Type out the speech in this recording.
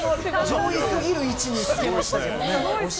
上位すぎる位置につけました。